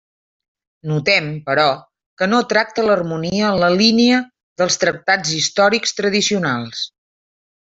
Notem, però, que no tracta l'harmonia en la línia dels tractats històrics tradicionals.